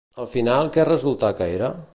Al final, què resulta que era?